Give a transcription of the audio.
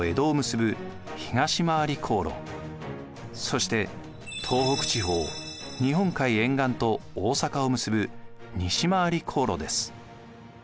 そして東北地方日本海沿岸と大坂を結ぶ西廻り航路です。